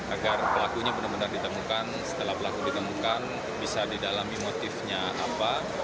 agar pelakunya benar benar ditemukan setelah pelaku ditemukan bisa didalami motifnya apa